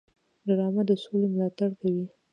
ډرامه د سولې ملاتړ کوي